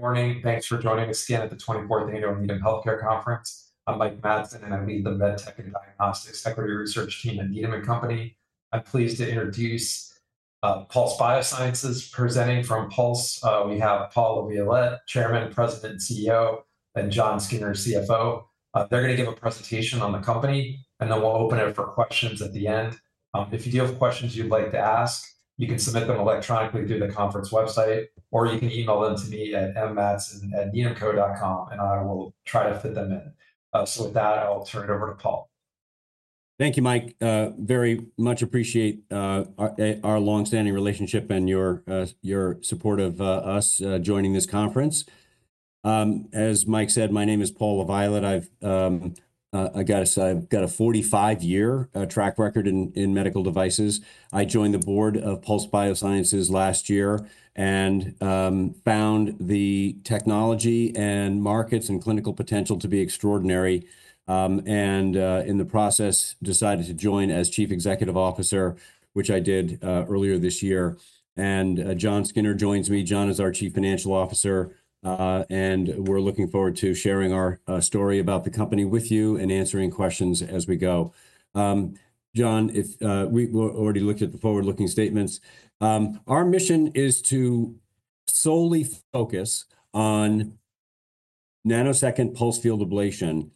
Good morning. Thanks for joining us again at the 24th Annual Needham Healthcare Conference. I'm Mike Matson, and I lead the MedTech and Diagnostics Equity Research Team at Needham & Company. I'm pleased to introduce Pulse Biosciences, presenting from Pulse. We have Paul LaViolette, Chairman, President, and CEO, and Jon Skinner, CFO. They're going to give a presentation on the company, and then we'll open it up for questions at the end. If you do have questions you'd like to ask, you can submit them electronically through the conference website, or you can email them to me at mmatson@needhamco.com, and I will try to fit them in. With that, I'll turn it over to Paul. Thank you, Mike. Very much appreciate our longstanding relationship and your support of us joining this conference. As Mike said, my name is Paul LaViolette. I've got a 45 year track record in medical devices. I joined the board of Pulse Biosciences last year and found the technology and markets and clinical potential to be extraordinary. In the process, decided to join as Chief Executive Officer, which I did earlier this year. Jon Skinner joins me. Jon is our Chief Financial Officer, and we're looking forward to sharing our story about the company with you and answering questions as we go. Jon, we've already looked at the forward-looking statements. Our mission is to solely focus on Nanosecond Pulse Field Ablation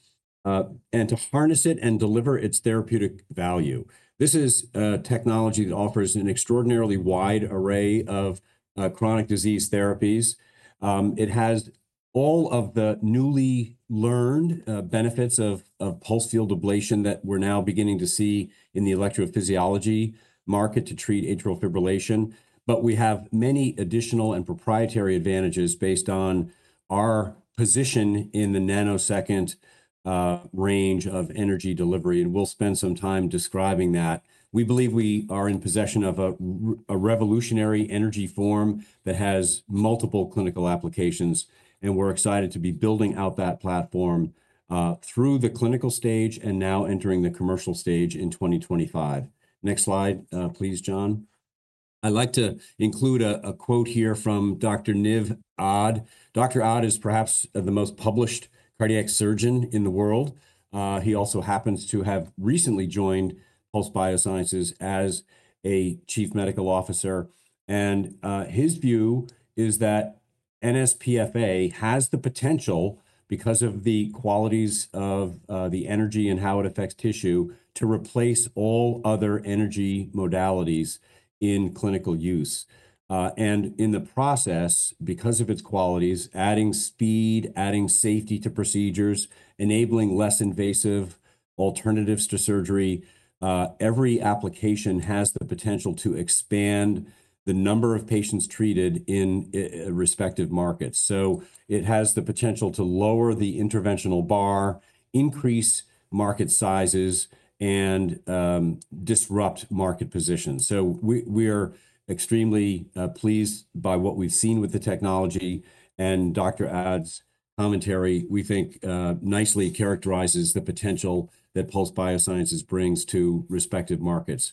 and to harness it and deliver its therapeutic value. This is a technology that offers an extraordinarily wide array of chronic disease therapies. It has all of the newly learned benefits of Pulse Field Ablation that we're now beginning to see in the electrophysiology market to treat atrial fibrillation. We have many additional and proprietary advantages based on our position in the nanosecond range of energy delivery. We'll spend some time describing that. We believe we are in possession of a revolutionary energy form that has multiple clinical applications. We're excited to be building out that platform through the clinical stage and now entering the commercial stage in 2025. Next slide please, Jon. I'd like to include a quote here from Dr. Niv Ad. Dr. Ad is perhaps the most published cardiac Surgeon in the world. He also happens to have recently joined Pulse Biosciences as Chief Medical Officer. His view is that nsPFA has the potential, because of the qualities of the energy and how it affects tissue, to replace all other energy modalities in clinical use. In the process because of its qualities, adding speed, adding safety to procedures, enabling less invasive alternatives to surgery every application has the potential to expand the number of patients treated in respective markets. It has the potential to lower the interventional bar, increase market sizes, and disrupt market positions. We are extremely pleased by what we've seen with the technology. Dr. Ad's commentary, we think, nicely characterizes the potential that Pulse Biosciences brings to respective markets.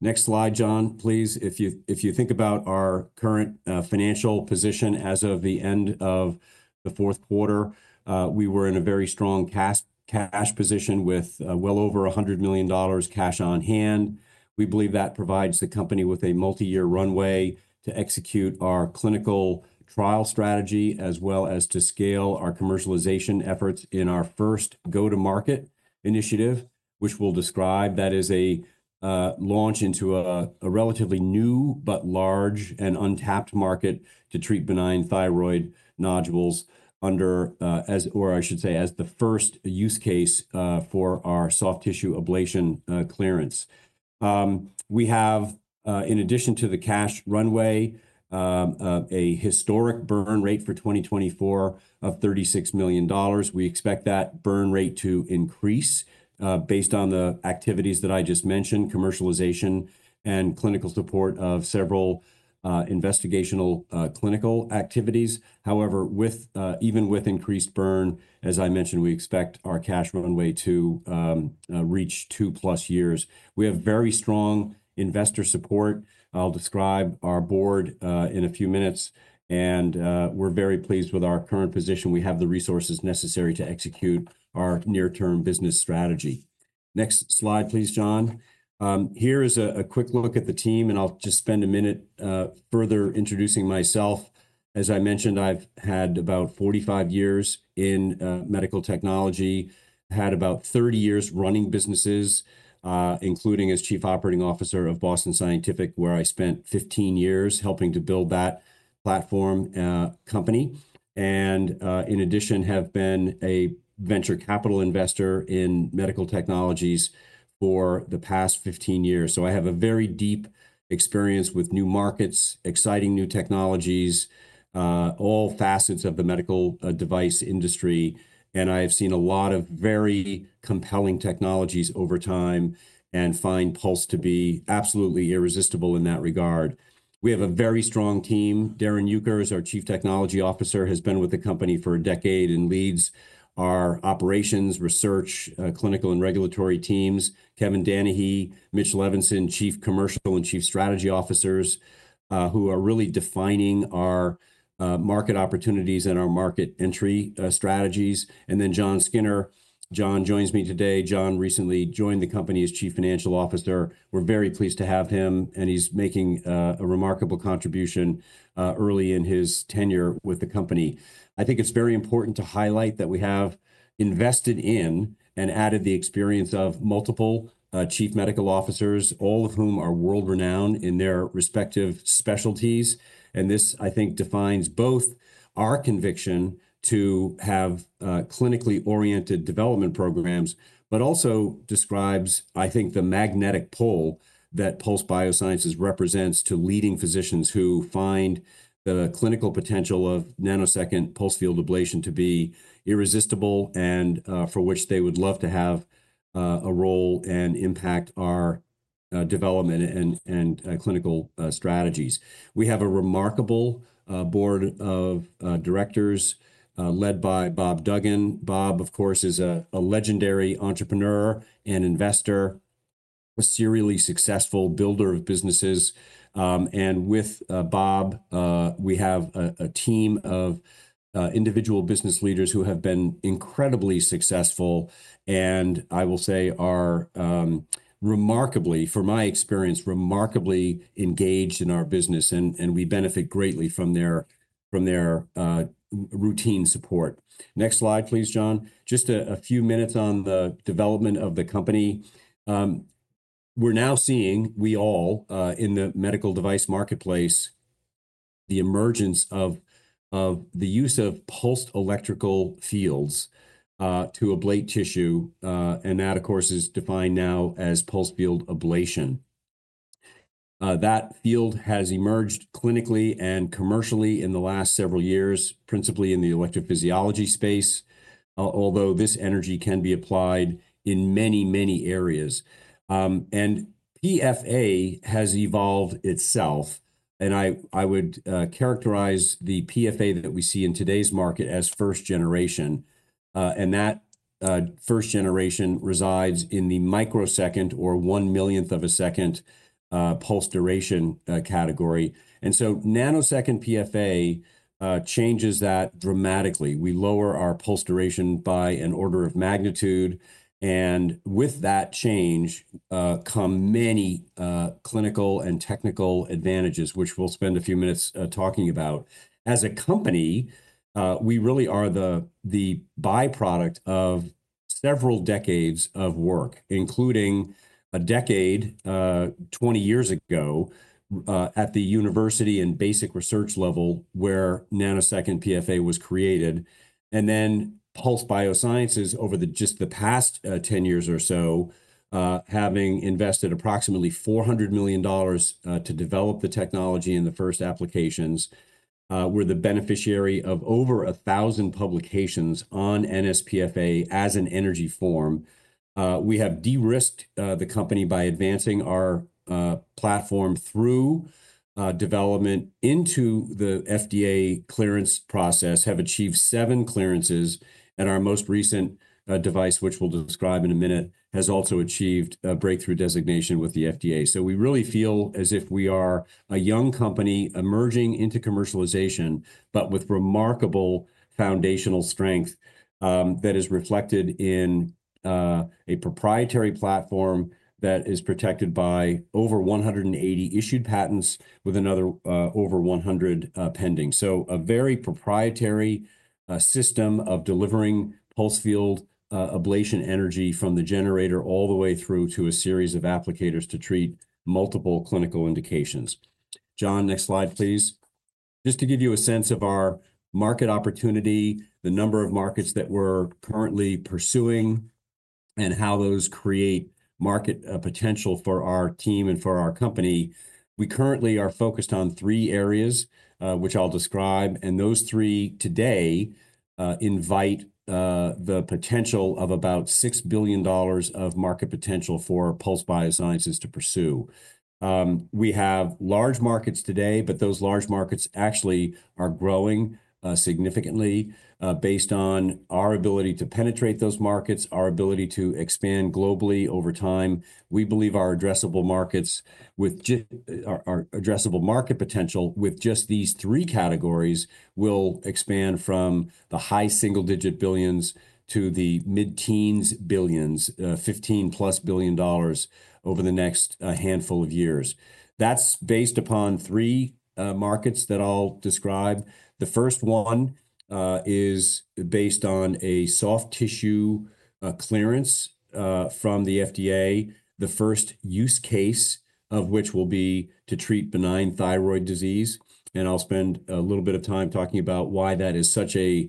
Next slide Jon, please. If you think about our current financial position as of the end of the fourth quarter, we were in a very strong cash position with well over $100 million cash on hand. We believe that provides the company with a multi-year runway to execute our clinical trial strategy, as well as to scale our commercialization efforts in our first go-to-market initiative, which we'll describe. That is a launch into a relatively new but large and untapped market to treat benign thyroid nodules, or I should say, as the first use case for our soft tissue ablation clearance. We have in addition to the cash runway, a historic burn rate for 2024 of $36 million. We expect that burn rate to increase based on the activities that I just mentioned, commercialization and clinical support of several investigational clinical activities. However, even with increased burn, as I mentioned, we expect our cash runway to reach two+ years. We have very strong investor support. I'll describe our board in a few minutes. We are very pleased with our current position. We have the resources necessary to execute our near-term business strategy. Next slide please, Jon. Here is a quick look at the team, and I'll just spend a minute further introducing myself. As I mentioned, I've had about 45 years in medical technology, had about 30 years running businesses, including as Chief Operating Officer of Boston Scientific, where I spent 15 years helping to build that platform company. In addition, have been a venture capital investor in medical technologies for the past 15 years. I have a very deep experience with new markets, exciting new technologies, all facets of the medical device industry. I have seen a lot of very compelling technologies over time and find Pulse to be absolutely irresistible in that regard. We have a very strong team. Darrin Uecker our Chief Technology Officer, has been with the company for a decade and leads our operations, research, clinical, and regulatory teams. Kevin Danahy, Mitchell Levinson, Chief Commercial and Chief Strategy Officers, who are really defining our market opportunities and our market entry strategies. Jon Skinner, Jon joins me today. Jon recently joined the company as Chief Financial Officer. We're very pleased to have him, and he's making a remarkable contribution early in his tenure with the company. I think it's very important to highlight that we have invested in and added the experience of multiple Chief Medical Officers, all of whom are world-renowned in their respective specialties. This I think, defines both our conviction to have clinically oriented development programs but also describes I think, the magnetic pull that Pulse Biosciences represents to leading physicians who find the clinical potential of Nanosecond Pulse Field Ablation to be irresistible and for which they would love to have a role and impact our development and clinical strategies. We have a remarkable board of directors led by Bob Duggan. Bob, of course, is a legendary entrepreneur and investor, a serially successful builder of businesses. With Bob, we have a team of individual business leaders who have been incredibly successful and I will say, are remarkably, for my experience remarkably engaged in our business. We benefit greatly from their routine support. Next slide, please, Jon. Just a few minutes on the development of the company. We're now seeing, we all, in the medical device marketplace, the emergence of the use of Pulsed Electrical Fields to ablate tissue. That of course, is defined now as Pulse Field Ablation. That field has emerged clinically and commercially in the last several years, principally in the Electrophysiology space, although this energy can be applied in many many areas. PFA has evolved itself. I would characterize the PFA that we see in today's market as first generation. That first generation resides in the microsecond or one millionth of a second pulse duration category. Nanosecond PFA changes that dramatically. We lower our pulse duration by an order of magnitude. With that change come many clinical and technical advantages, which we'll spend a few minutes talking about. As a company, we really are the byproduct of several decades of work, including a decade 20 years ago at the university and basic research level where Nanosecond PFA was created. Pulse Biosciences, over just the past 10 years or so, having invested approximately $400 million to develop the technology and the first applications, were the beneficiary of over 1,000 publications on nsPFA as an energy form. We have de-risked the company by advancing our platform through development into the FDA clearance process, have achieved seven clearances. Our most recent device, which we'll describe in a minute, has also achieved a breakthrough designation with the FDA. We really feel as if we are a young company emerging into commercialization, but with remarkable foundational strength that is reflected in a proprietary platform that is protected by over 180 issued patents, with another over 100 pending. A very proprietary system of delivering Pulse Field Ablation Energy from the generator all the way through to a series of applicators to treat multiple clinical indications. Jon next slide, please. Just to give you a sense of our market opportunity, the number of markets that we're currently pursuing, and how those create market potential for our team and for our company, we currently are focused on three areas, which I'll describe. Those three today invite the potential of about $6 billion of market potential for Pulse Biosciences to pursue. We have large markets today, but those large markets actually are growing significantly based on our ability to penetrate those markets, our ability to expand globally over time. We believe our addressable markets with just our addressable market potential with just these three categories will expand from the high single-digit billions to the mid-teens billions, $15+ billion over the next handful of years. That is based upon three markets that I will describe. The first one is based on a soft tissue clearance from the FDA, the first use case of which will be to treat benign thyroid disease. I will spend a little bit of time talking about why that is such a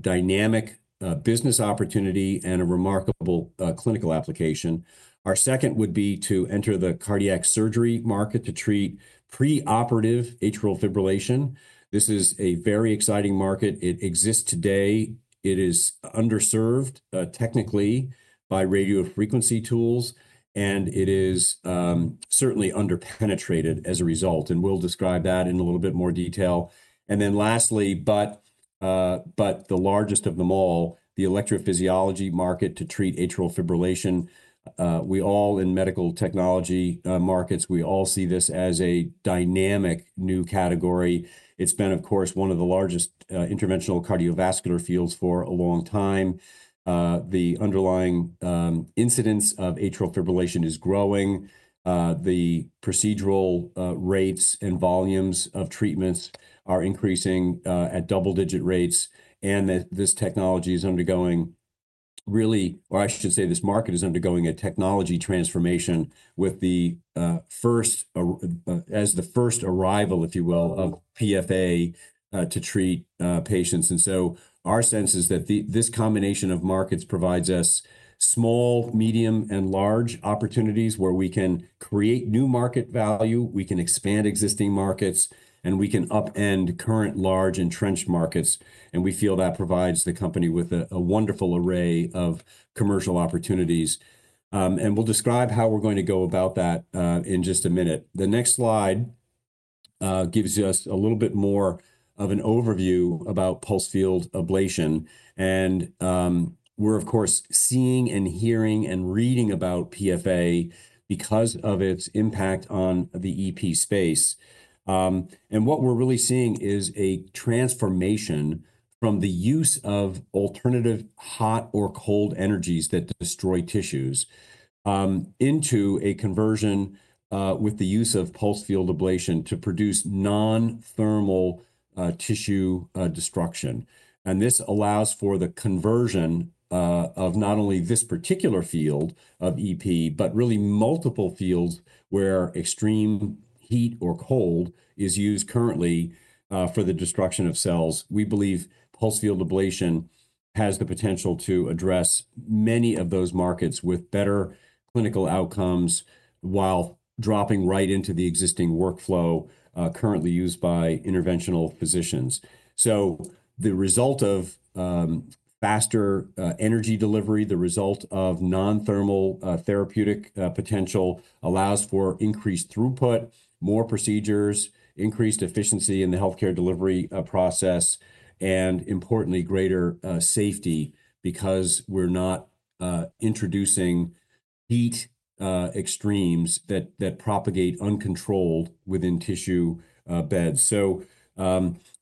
dynamic business opportunity and a remarkable clinical application. Our second would be to enter the cardiac surgery market to treat preoperative atrial fibrillation. This is a very exciting market. It exists today. It is underserved technically by radiofrequency tools, and it is certainly underpenetrated as a result. We will describe that in a little bit more detail. Lastly, but the largest of them all, the Electrophysiology market to treat atrial fibrillation. We all in medical technology markets, we all see this as a dynamic new category. It's been, of course, one of the largest interventional cardiovascular fields for a long time. The underlying incidence of atrial fibrillation is growing. The procedural rates and volumes of treatments are increasing at double digit rates. This technology is undergoing really, or I should say this market is undergoing a technology transformation with the first as the first arrival, if you will of PFA to treat patients. Our sense is that this combination of markets provides us small, medium, and large opportunities where we can create new market value, we can expand existing markets, and we can upend current large entrenched markets. We feel that provides the company with a wonderful array of commercial opportunities. We will describe how we are going to go about that in just a minute. The next slide gives us a little bit more of an overview about Pulse Field Ablation. We are, of course, seeing and hearing and reading about PFA because of its impact on the EP space. What we are really seeing is a transformation from the use of alternative hot or cold energies that destroy tissues into a conversion with the use of Pulse Field Ablation to produce non-thermal tissue destruction. This allows for the conversion of not only this particular field of EP, but really multiple fields where extreme heat or cold is used currently for the destruction of cells. We believe Pulse Field Ablation has the potential to address many of those markets with better clinical outcomes while dropping right into the existing workflow currently used by interventional physicians. The result of faster energy delivery, the result of non-thermal therapeutic potential allows for increased throughput more procedures, increased efficiency in the healthcare delivery process, and importantly, greater safety because we're not introducing heat extremes that propagate uncontrolled within tissue beds.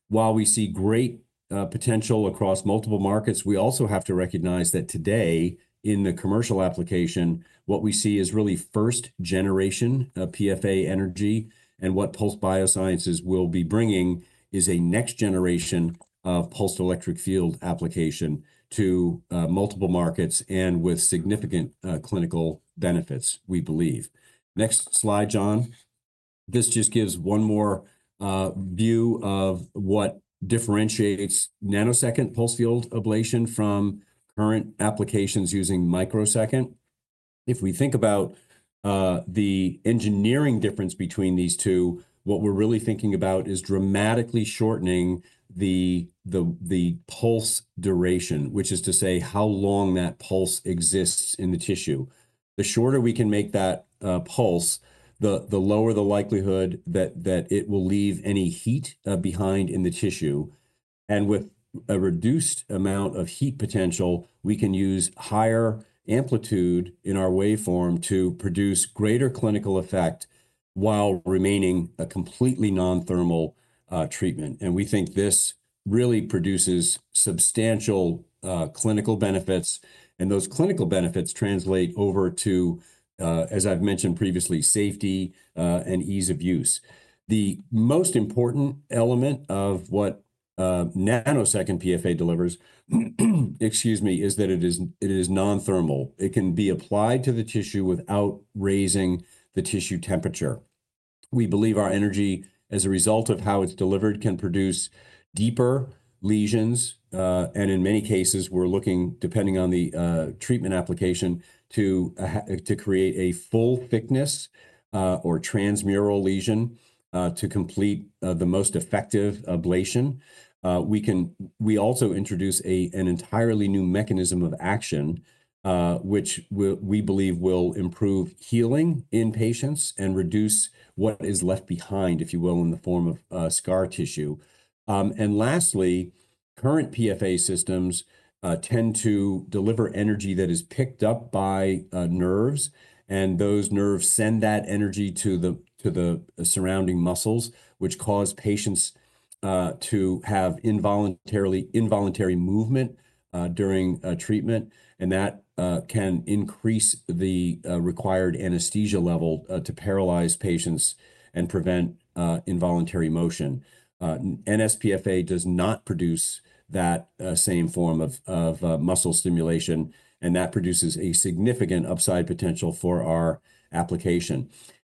While we see great potential across multiple markets, we also have to recognize that today in the commercial application, what we see is really first generation of PFA energy. What Pulse Biosciences will be bringing is a next generation of pulse electric field application to multiple markets and with significant clinical benefits, we believe. Next slide Jon. This just gives one more view of what differentiates Nanosecond Pulse Field Ablation from current applications using microsecond. If we think about the engineering difference between these two, what we're really thinking about is dramatically shortening the pulse duration, which is to say how long that pulse exists in the tissue. The shorter we can make that pulse, the lower the likelihood that it will leave any heat behind in the tissue. With a reduced amount of heat potential, we can use higher amplitude in our waveform to produce greater clinical effect while remaining a completely non-thermal treatment. We think this really produces substantial clinical benefits. Those clinical benefits translate over to, as I've mentioned previously, safety and ease of use. The most important element of what Nanosecond PFA delivers, is that it is non-thermal. It can be applied to the tissue without raising the tissue temperature. We believe our energy, as a result of how it's delivered, can produce deeper lesions. In many cases, we're looking, depending on the treatment application, to create a full thickness or transmural lesion to complete the most effective ablation. We also introduce an entirely new mechanism of action, which we believe will improve healing in patients and reduce what is left behind if you will, in the form of scar tissue. Lastly, current PFA systems tend to deliver energy that is picked up by nerves. Those nerves send that energy to the surrounding muscles, which cause patients to have involuntary movement during treatment. That can increase the required anesthesia level to paralyze patients and prevent involuntary motion. nsPFA does not produce that same form of muscle stimulation. That produces a significant upside potential for our application.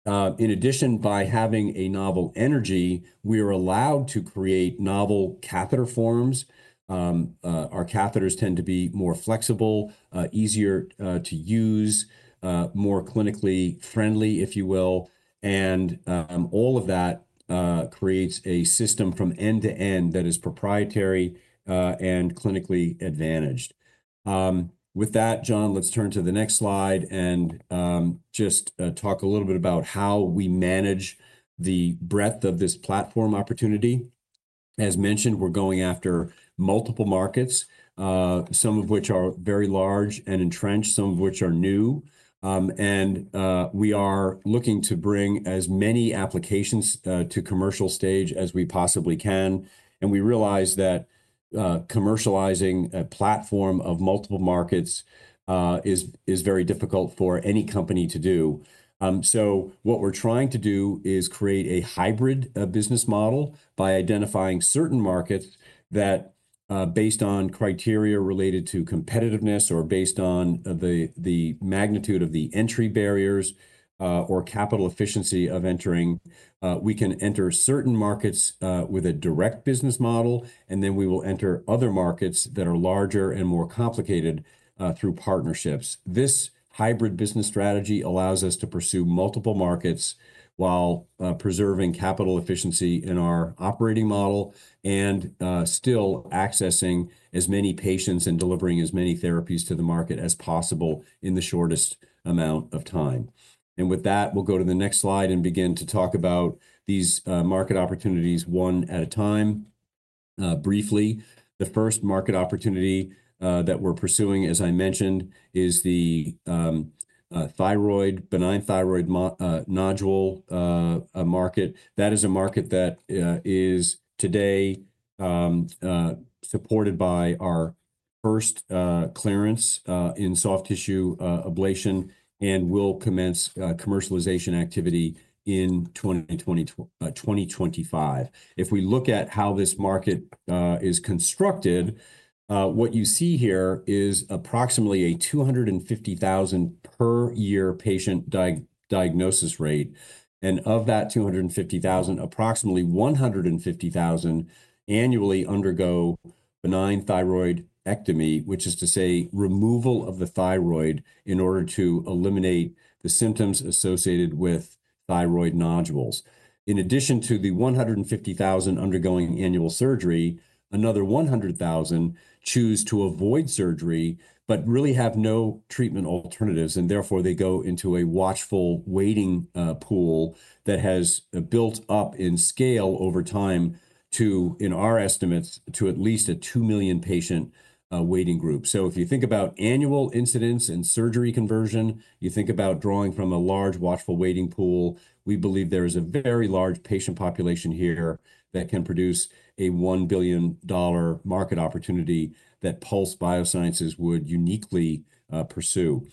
In addition, by having a novel energy, we are allowed to create novel catheter forms. Our catheters tend to be more flexible, easier to use, more clinically friendly, if you will. All of that creates a system from end to end that is proprietary and clinically advantaged. With that, Jon, let's turn to the next slide and just talk a little bit about how we manage the breadth of this platform opportunity. As mentioned, we're going after multiple markets, some of which are very large and entrenched, some of which are new. We are looking to bring as many applications to commercial stage as we possibly can. We realize that commercializing a platform of multiple markets is very difficult for any company to do. What we're trying to do is create a hybrid business model by identifying certain markets that, based on criteria related to competitiveness or based on the magnitude of the entry barriers or capital efficiency of entering, we can enter certain markets with a direct business model. We will enter other markets that are larger and more complicated through partnerships. This hybrid business strategy allows us to pursue multiple markets while preserving capital efficiency in our operating model and still accessing as many patients and delivering as many therapies to the market as possible in the shortest amount of time. With that, we'll go to the next slide and begin to talk about these market opportunities one at a time briefly. The first market opportunity that we're pursuing, as I mentioned, is the thyroid benign thyroid nodule market. That is a market that is today supported by our first clearance in soft tissue ablation and will commence commercialization activity in 2025. If we look at how this market is constructed, what you see here is approximately a 250,000 per year patient diagnosis rate. Of that 250,000, approximately 150,000 annually undergo benign thyroidectomy, which is to say removal of the thyroid in order to eliminate the symptoms associated with thyroid nodules. In addition to the 150,000 undergoing annual surgery, another 100,000 choose to avoid surgery, but really have no treatment alternatives. Therefore, they go into a watchful waiting pool that has built up in scale over time to in our estimates, at least a 2 million patient waiting group. If you think about annual incidence and surgery conversion, you think about drawing from a large watchful waiting pool, we believe there is a very large patient population here that can produce a $1 billion market opportunity that Pulse Biosciences would uniquely pursue.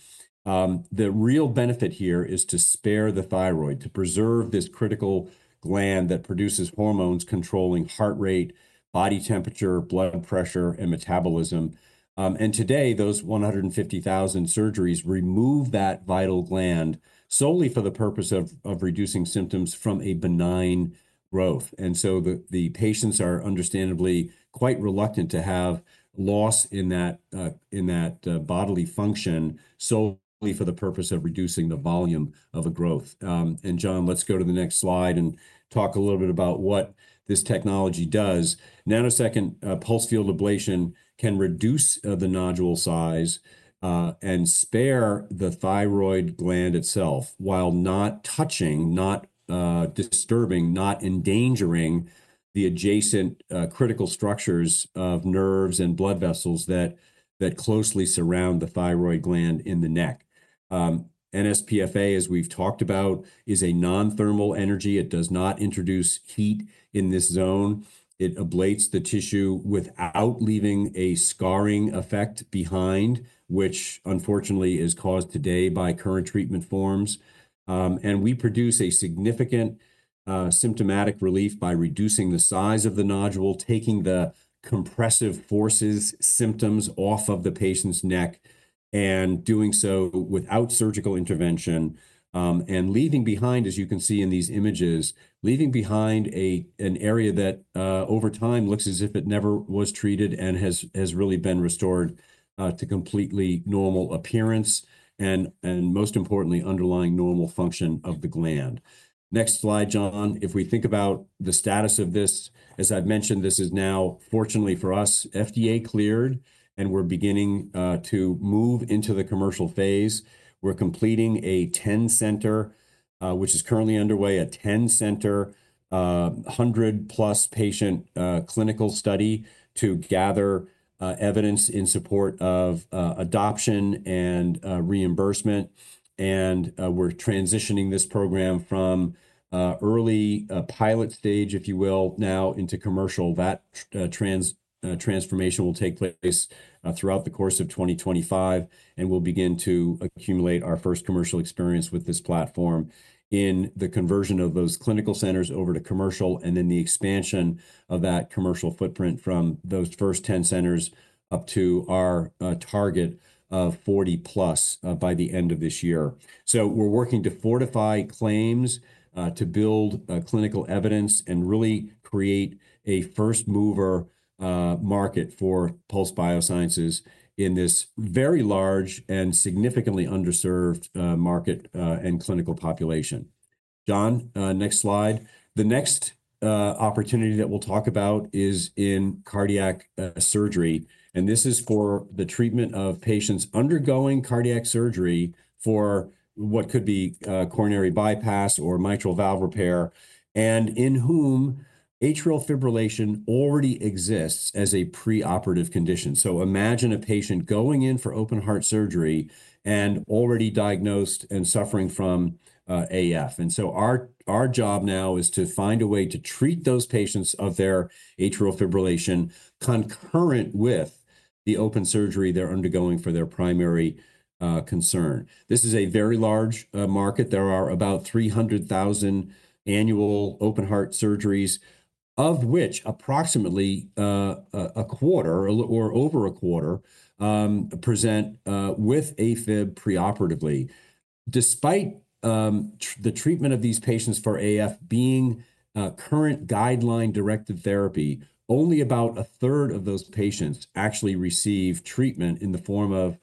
The real benefit here is to spare the thyroid, to preserve this critical gland that produces hormones controlling heart rate, body temperature, blood pressure, and metabolism. Today, those 150,000 surgeries remove that vital gland solely for the purpose of reducing symptoms from a benign growth. The patients are understandably quite reluctant to have loss in that bodily function solely for the purpose of reducing the volume of a growth. Jon, let's go to the next slide and talk a little bit about what this technology does. Nanosecond Pulse Field Ablation can reduce the nodule size and spare the thyroid gland itself while not touching, not disturbing, not endangering the adjacent critical structures of nerves and blood vessels that closely surround the thyroid gland in the neck. nsPFA as we've talked about, is a non-thermal energy. It does not introduce heat in this zone. It ablates the tissue without leaving a scarring effect behind, which unfortunately is caused today by current treatment forms. We produce a significant symptomatic relief by reducing the size of the nodule, taking the compressive forces symptoms off of the patient's neck, and doing so without surgical intervention and leaving behind, as you can see in these images, leaving behind an area that over time looks as if it never was treated and has really been restored to completely normal appearance and most importantly, underlying normal function of the gland. Next slide Jon. If we think about the status of this, as I've mentioned, this is now, fortunately for us, FDA cleared and we're beginning to move into the commercial phase. We're completing a 10 center, which is currently underway, a 10 center 100+ patient clinical study to gather evidence in support of adoption and reimbursement. We're transitioning this program from early pilot stage, if you will now into commercial. That transformation will take place throughout the course of 2025. We'll begin to accumulate our first commercial experience with this platform in the conversion of those clinical centers over to commercial and then the expansion of that commercial footprint from those first 10 centers up to our target of 40+ by the end of this year. We're working to fortify claims to build clinical evidence and really create a first-mover market for Pulse Biosciences in this very large and significantly underserved market and clinical population. Jon, next slide. The next opportunity that we'll talk about is in Cardiac Surgery. This is for the treatment of patients undergoing Cardiac Surgery for what could be coronary bypass or mitral valve repair and in whom Atrial Fibrillation already exists as a preoperative condition. Imagine a patient going in for open heart surgery and already diagnosed and suffering from AF. Our job now is to find a way to treat those patients of their atrial fibrillation concurrent with the open surgery they're undergoing for their primary concern. This is a very large market. There are about 300,000 annual open heart surgeries, of which approximately a quarter or over a quarter present with AFib preoperatively. Despite the treatment of these patients for AF being current guideline directed therapy, only about a third of those patients actually receive treatment in the form of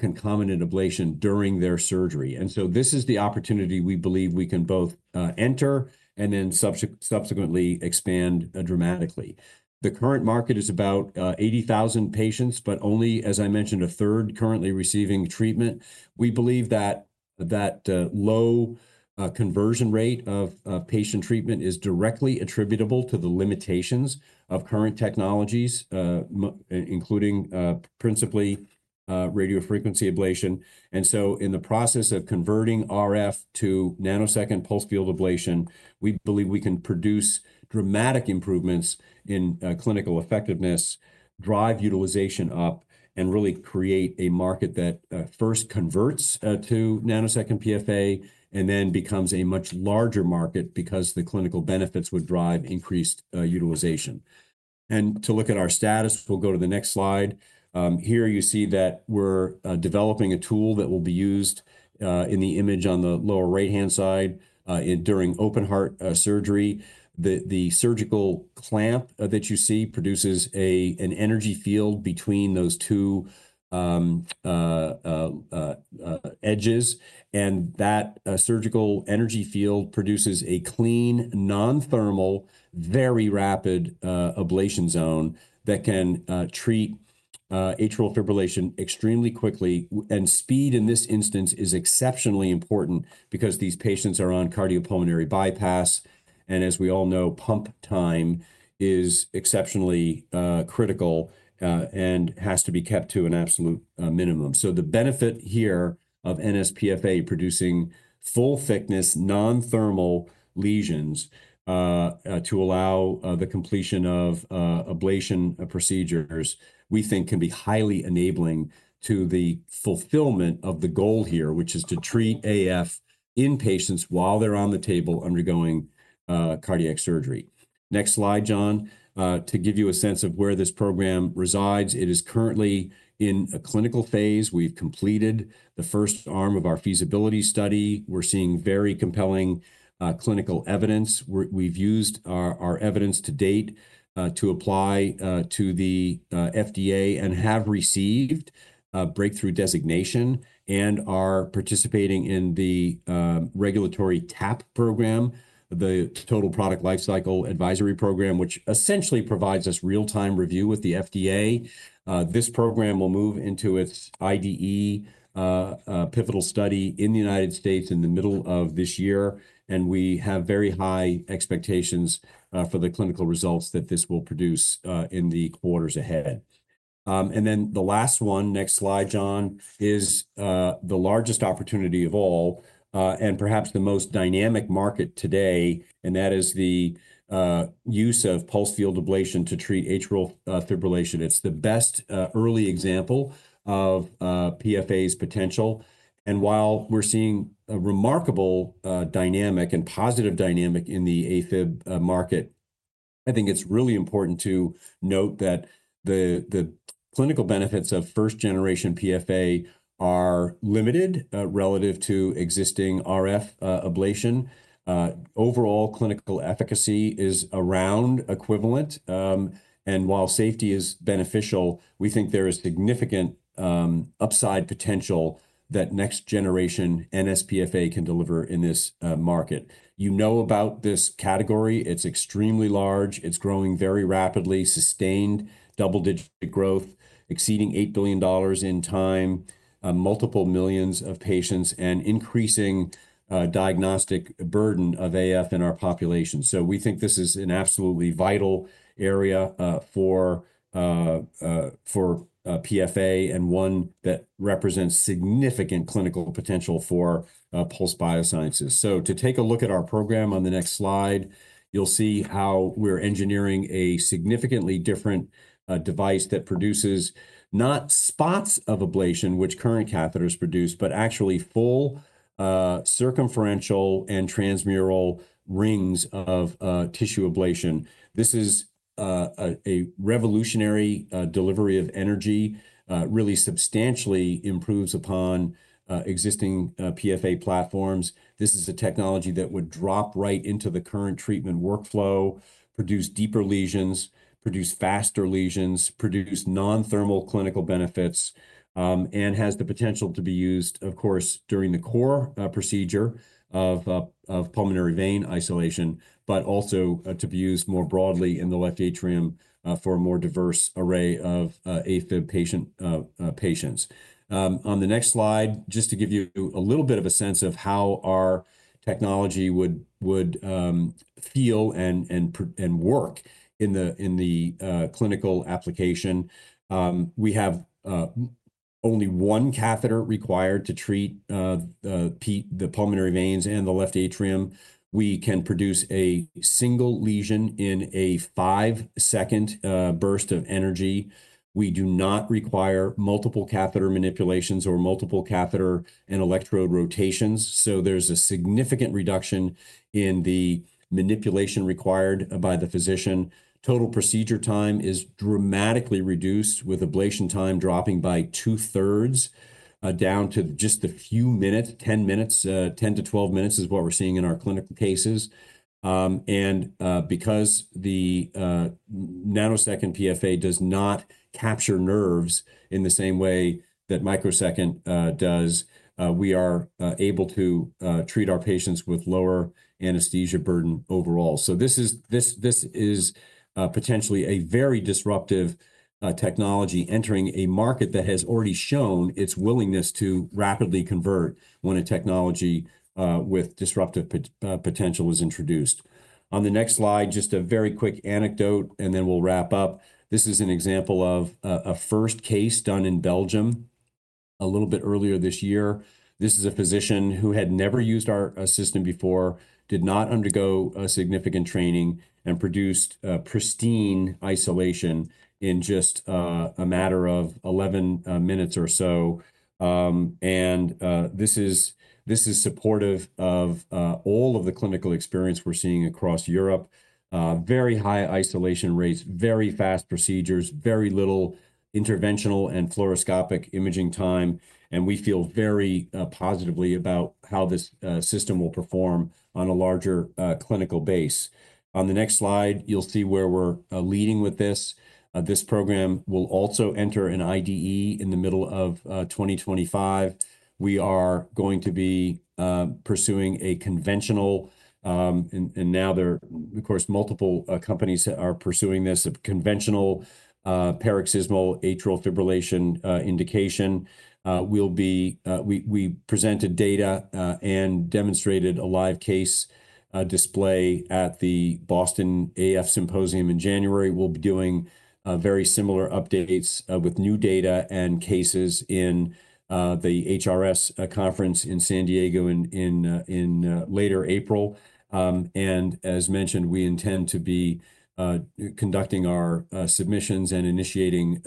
concomitant ablation during their surgery. This is the opportunity we believe we can both enter and then subsequently expand dramatically. The current market is about 80,000 patients, but only as I mentioned, a third currently receiving treatment. We believe that that low conversion rate of patient treatment is directly attributable to the limitations of current technologies, including principally Radiofrequency Ablation. In the process of converting RF to Nanosecond Pulse Field Ablation, we believe we can produce dramatic improvements in clinical effectiveness, drive utilization up, and really create a market that first converts to Nanosecond PFA and then becomes a much larger market because the clinical benefits would drive increased utilization. To look at our status, we'll go to the next slide. Here you see that we're developing a tool that will be used in the image on the lower right-hand side during open heart surgery. The surgical clamp that you see produces an energy field between those two edges. That surgical energy field produces a clean, non-thermal, very rapid ablation zone that can treat atrial fibrillation extremely quickly. Speed in this instance is exceptionally important because these patients are on cardiopulmonary bypass. As we all know, pump time is exceptionally critical and has to be kept to an absolute minimum. The benefit here of nsPFA producing full-thickness non-thermal lesions to allow the completion of ablation procedures, we think, can be highly enabling to the fulfillment of the goal here, which is to treat AF in patients while they're on the table undergoing cardiac surgery. Next slide, Jon. To give you a sense of where this program resides, it is currently in a clinical phase. We've completed the first arm of our feasibility study. We're seeing very compelling clinical evidence. We've used our evidence to date to apply to the FDA and have received breakthrough designation and are participating in the regulatory TAP program, the Total Product Life Cycle Advisory Program, which essentially provides us real-time review with the FDA. This program will move into its IDE pivotal study in the United States in the middle of this year. We have very high expectations for the clinical results that this will produce in the quarters ahead. The last one next slide Jon, is the largest opportunity of all and perhaps the most dynamic market today. That is the use of Pulse Field Ablation to treat atrial fibrillation. It's the best early example of PFA's potential. While we're seeing a remarkable dynamic and positive dynamic in the AFib market, I think it's really important to note that the clinical benefits of first-generation PFA are limited relative to existing RF ablation. Overall, clinical efficacy is around equivalent. While safety is beneficial, we think there is significant upside potential that next generation nsPFA can deliver in this market. You know about this category. It's extremely large. It's growing very rapidly, sustained double digit growth, exceeding $8 billion in time, multiple millions of patients, and increasing diagnostic burden of AF in our population. We think this is an absolutely vital area for PFA and one that represents significant clinical potential for Pulse Biosciences. To take a look at our program on the next slide, you'll see how we're engineering a significantly different device that produces not spots of ablation, which current catheters produce, but actually full circumferential and transmural rings of tissue ablation. This is a revolutionary delivery of energy, really substantially improves upon existing PFA platforms. This is a technology that would drop right into the current treatment workflow, produce deeper lesions, produce faster lesions, produce non thermal clinical benefits, and has the potential to be used, of course, during the core procedure of pulmonary vein isolation, but also to be used more broadly in the left atrium for a more diverse array of AFib patients. On the next slide, just to give you a little bit of a sense of how our technology would feel and work in the clinical application, we have only one catheter required to treat the pulmonary veins and the left atrium. We can produce a single lesion in a five second burst of energy. We do not require multiple catheter manipulations or multiple catheter and electrode rotations. There is a significant reduction in the manipulation required by the physician. Total procedure time is dramatically reduced, with ablation time dropping by two-thirds down to just a few minutes, 10 minutes, 10 to 12 minutes is what we're seeing in our clinical cases. Because the nanosecond PFA does not capture nerves in the same way that microsecond does, we are able to treat our patients with lower anesthesia burden overall. This is potentially a very disruptive technology entering a market that has already shown its willingness to rapidly convert when a technology with disruptive potential is introduced. On the next slide, just a very quick anecdote, and then we'll wrap up. This is an example of a first case done in Belgium a little bit earlier this year. This is a physician who had never used our system before, did not undergo significant training, and produced pristine isolation in just a matter of 11 minutes or so. This is supportive of all of the clinical experience we're seeing across Europe. Very high isolation rates, very fast procedures, very little interventional and fluoroscopic imaging time. We feel very positively about how this system will perform on a larger clinical base. On the next slide, you'll see where we're leading with this. This program will also enter an IDE in the middle of 2025. We are going to be pursuing a conventional, and now there are, of course, multiple companies that are pursuing this, a conventional paroxysmal atrial fibrillation indication. We presented data and demonstrated a live case display at the Boston AF Symposium in January. We'll be doing very similar updates with new data and cases in the HRS conference in San Diego in later April. As mentioned, we intend to be conducting our submissions and initiating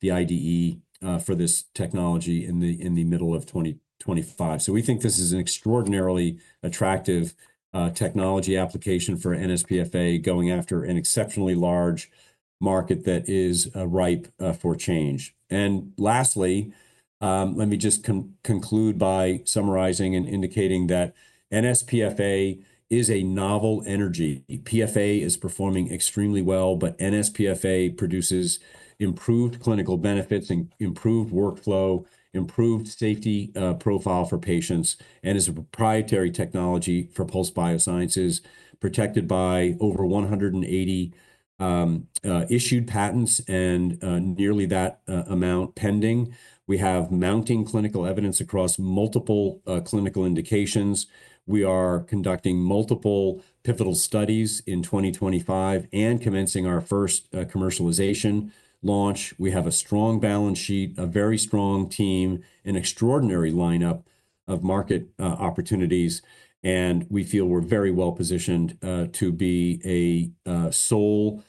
the IDE for this technology in the middle of 2025. We think this is an extraordinarily attractive technology application for nsPFA going after an exceptionally large market that is ripe for change. Lastly, let me just conclude by summarizing and indicating that nsPFA is a novel energy. PFA is performing extremely well, but nsPFA produces improved clinical benefits and improved workflow, improved safety profile for patients, and is a proprietary technology for Pulse Biosciences protected by over 180 issued patents and nearly that amount pending. We have mounting clinical evidence across multiple clinical indications. We are conducting multiple pivotal studies in 2025 and commencing our first commercialization launch. We have a strong balance sheet, a very strong team, an extraordinary lineup of market opportunities. We feel we are very well positioned to be a sole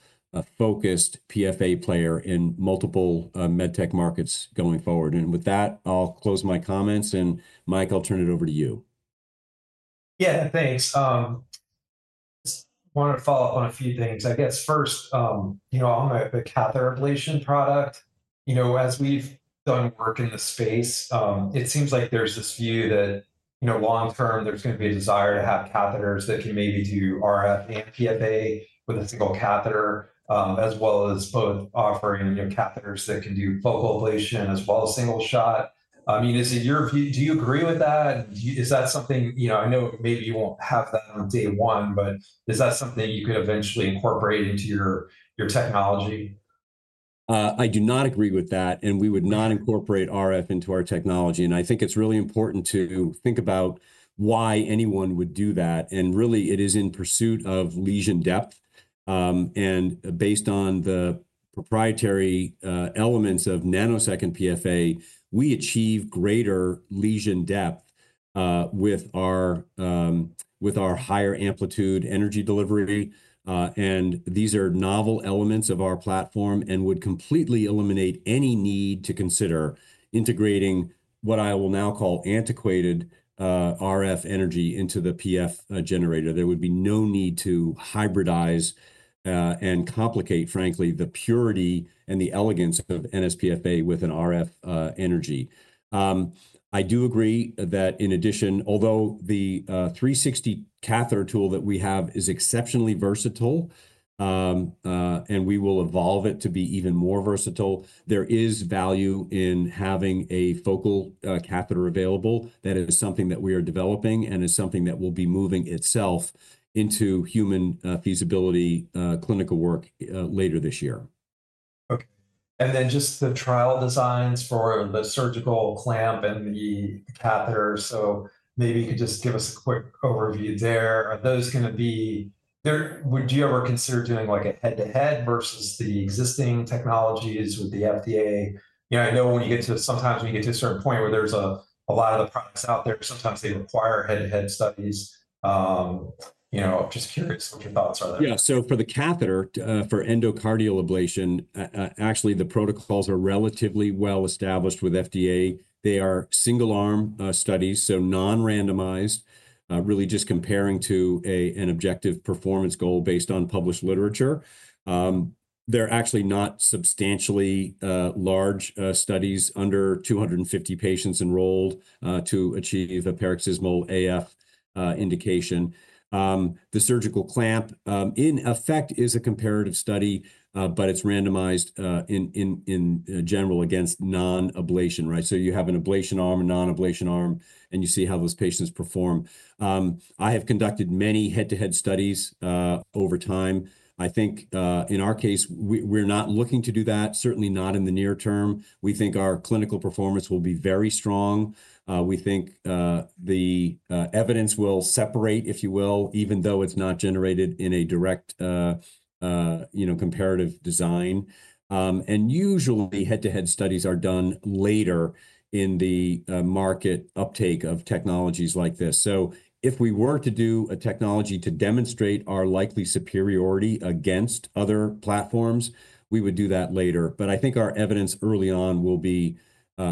focused PFA player in multiple med tech markets going forward. With that, I'll close my comments. Mike, I'll turn it over to you. Yeah, thanks. Just wanted to follow up on a few things. I guess first, on the catheter ablation product, as we've done work in the space, it seems like there's this view that long term, there's going to be a desire to have catheters that can maybe do RF and PFA with a single catheter, as well as both offering catheters that can do focal ablation as well as single shot. I mean, is it your view? Do you agree with that? Is that something I know maybe you won't have that on day one, but is that something you could eventually incorporate into your technology? I do not agree with that. We would not incorporate RF into our technology. I think it's really important to think about why anyone would do that. It is in pursuit of lesion depth. Based on the proprietary elements of Nanosecond PFA, we achieve greater lesion depth with our higher amplitude energy delivery. These are novel elements of our platform and would completely eliminate any need to consider integrating what I will now call antiquated RF energy into the PF generator. There would be no need to hybridize and complicate, frankly, the purity and the elegance of nsPFA with an RF energy. I do agree that in addition, although the 360 catheter tool that we have is exceptionally versatile, and we will evolve it to be even more versatile, there is value in having a focal catheter available. That is something that we are developing and is something that will be moving itself into human feasibility clinical work later this year. Okay. And then just the trial designs for the surgical clamp and the catheter. Maybe you could just give us a quick overview there. Are those going to be would you ever consider doing a head-to-head versus the existing technologies with the FDA? I know when you get to sometimes when you get to a certain point where there's a lot of the products out there, sometimes they require head-to-head studies. I'm just curious what your thoughts are there. Yeah. For the catheter for endocardial ablation, actually, the protocols are relatively well established with FDA. They are single arm studies, so nonrandomized, really just comparing to an objective performance goal based on published literature. They're actually not substantially large studies, under 250 patients enrolled to achieve a Paroxysmal AF indication. The surgical clamp, in effect, is a comparative study, but it's randomized in general against non-ablation. You have an ablation arm, a non-ablation arm, and you see how those patients perform. I have conducted many head-to-head studies over time. I think in our case, we're not looking to do that, certainly not in the near term. We think our clinical performance will be very strong. We think the evidence will separate, if you will, even though it's not generated in a direct comparative design. Usually, head-to-head studies are done later in the market uptake of technologies like this. If we were to do a technology to demonstrate our likely superiority against other platforms, we would do that later. I think our evidence early on will be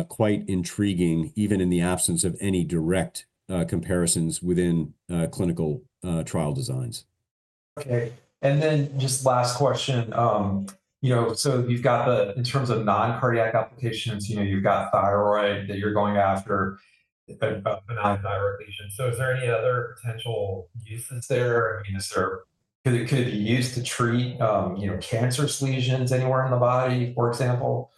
quite intriguing, even in the absence of any direct comparisons within clinical trial designs. Okay. Just last question. You've got the in terms of non-cardiac applications, you've got thyroid that you're going after, a benign thyroid lesion. Is there any other potential uses there? I mean, is there could it be used to treat cancerous lesions anywhere in the body, for example?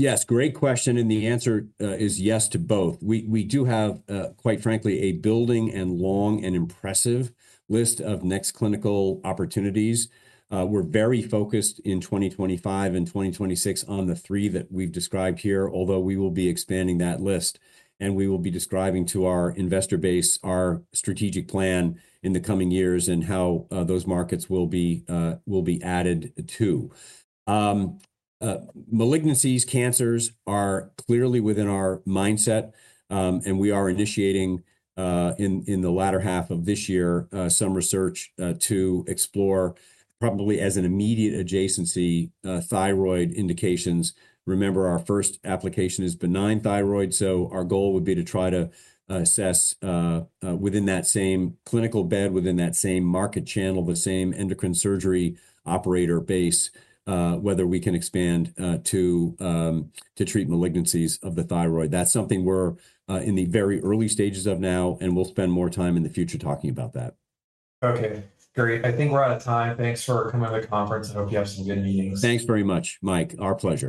Yes. Great question. The answer is yes to both. We do have, quite frankly, a building and long and impressive list of next clinical opportunities. We're very focused in 2025 and 2026 on the three that we've described here, although we will be expanding that list. We will be describing to our investor base our strategic plan in the coming years and how those markets will be added to. Malignancies, cancers are clearly within our mindset. We are initiating in the latter half of this year some research to explore probably as an immediate adjacency thyroid indications. Remember, our first application is benign thyroid. Our goal would be to try to assess within that same clinical bed, within that same market channel, the same endocrine surgery operator base, whether we can expand to treat malignancies of the thyroid. That is something we are in the very early stages of now, and we will spend more time in the future talking about that. Okay. Great. I think we are out of time. Thanks for coming to the conference. I hope you have some good meetings. Thanks very much, Mike. Our pleasure.